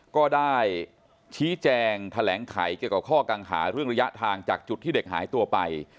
ก็ได้ชี้แจงแถลงไขเกี่ยวกับข้อกังหาเรื่องระยะทางจากจุดที่เด็กหายตัวไป